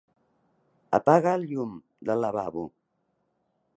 Apaga el llum del lavabo.